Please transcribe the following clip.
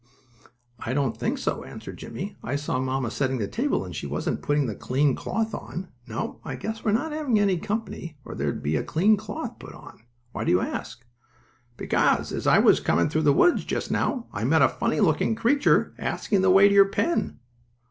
"I don't think so," answered Jimmie. "I saw mamma setting the table and she wasn't putting the clean cloth on. No, I guess we're not going to have company, or there'd be a clean cloth put on. Why do you ask?" "Because, as I was coming through the woods just now I met a funny looking creature asking the way to your pen."